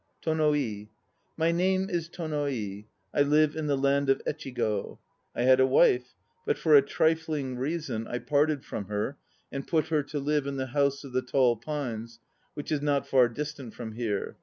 TONO I. My name is Tono i. I live in the land of Echigo. I had a \vii : but for a trifling reason I parted from her and put her to live in the House of the Tall Pines, which is not far distant from here.